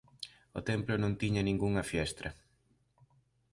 O templo non tiña ningunha fiestra.